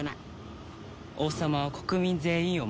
王様は国民全員を守ってる。